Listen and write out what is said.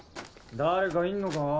誰かいんのか？